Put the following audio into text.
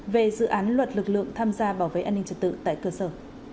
về dự án luật lực lượng tham gia bảo vệ an ninh trật tự tại cơ sở